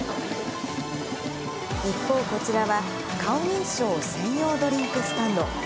一方、こちらは顔認証専用ドリンクスタンド。